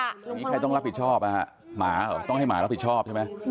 อย่างนี้ใครต้องรับผิดชอบหมาเหรอต้องให้หมารับผิดชอบใช่ไหม